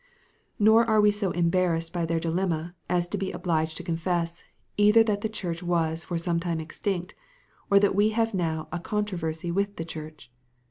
Nor are we so embarrassed by their dilemma as to be obliged to confess, either that the Church was for some time extinct, or that we have now a controversy with the Church.